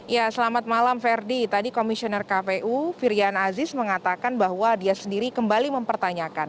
ya selamat malam ferdi tadi komisioner kpu firian aziz mengatakan bahwa dia sendiri kembali mempertanyakan